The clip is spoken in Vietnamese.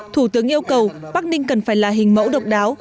thủ tướng yêu cầu bắc ninh cần phải là hình mẫu độc đáo